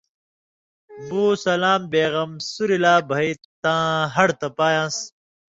بُو سلام بے غم سُریۡ لا وئ تاں ہڑہۡ تبائ آن٘س